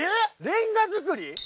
レンガ造り